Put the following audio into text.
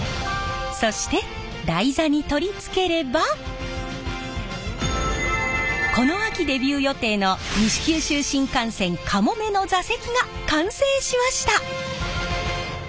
そして台座に取り付ければこの秋デビュー予定の西九州新幹線「かもめ」の座席が完成しました。